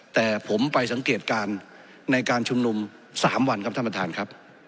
แต่ผมไปสังเกตการณ์ในการชุมนุม๓วันครับท่านประธานครับ